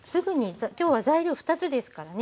今日は材料２つですからね。